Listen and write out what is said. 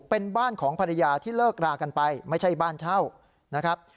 เป็นบ้านของภรรยาที่เลิกรากันไปไม่ใช่บ้านเช่านะครับ